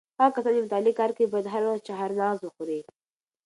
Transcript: هغه کسان چې د مطالعې کار کوي باید هره ورځ چهارمغز وخوري.